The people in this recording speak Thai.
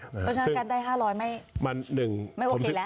เพราะฉะนั้นการได้๕๐๐ไม่โอเคแล้ว